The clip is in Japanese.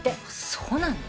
そうなの？